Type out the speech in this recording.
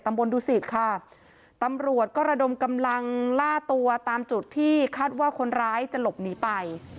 บนดุสิตค่ะตำรวจก็ระดมกำลังล่าตัวตามจุดที่คาดว่าคนร้ายจะหลบหนีไป